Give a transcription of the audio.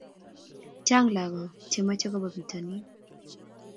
Chang lakok che mache koba pitanin